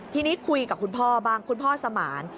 ทีนี้คุยกับคุณพ่อบ้างคุณพ่อสมาน